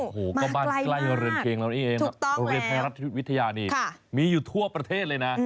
โอ้โหมาไกลมากโรงเรียนไทยรัฐวิทยานี่มีอยู่ทั่วประเทศเลยนะ